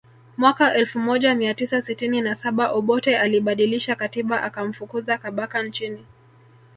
Mwaka elfu moja mia tisa sitini na saba Obote alibadilisha katiba akamfukuza Kabaka nchini